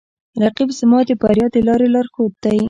رقیب زما د بریا د لارې لارښود دی